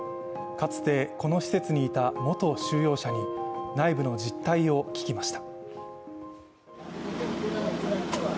かつてこの施設にいた元収容者に内部の実態を聞きました。